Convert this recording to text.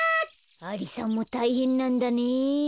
アリさんもたいへんなんだね。